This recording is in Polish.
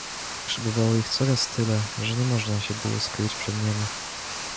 "Przybywało ich coraz tyle, że nie można się było skryć przed niemi."